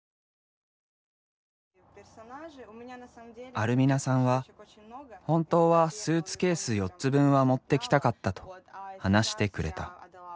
アルミナさんは「本当はスーツケース４つ分は持ってきたかった」と話してくれた。